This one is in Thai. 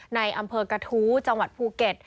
ในอำเภอกระทู้จังหวัดภูเก็ต